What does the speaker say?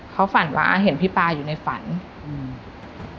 เขาฝันว่าเห็นพี่ปลาอยู่ในฝันอืม